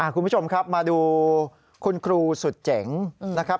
คุณผู้ชมครับมาดูคุณครูสุดเจ๋งนะครับ